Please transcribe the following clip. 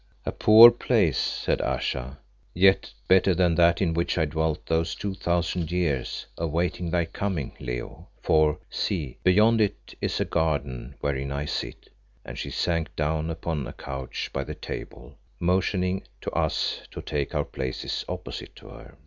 "A poor place," said Ayesha, "yet better than that in which I dwelt those two thousand years awaiting thy coming, Leo, for, see, beyond it is a garden, wherein I sit," and she sank down upon a couch by the table, motioning to us to take our places opposite to her.